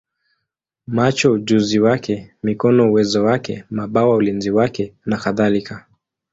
macho ujuzi wake, mikono uwezo wake, mabawa ulinzi wake, nakadhalika.